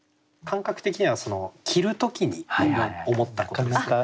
感覚的には着る時に思ったことですね。